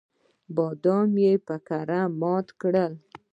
بادام یې په کراره مات کړل.